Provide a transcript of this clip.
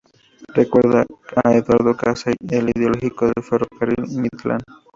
Recuerda a Eduardo Casey, el ideológico del Ferrocarril Midland